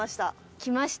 きました。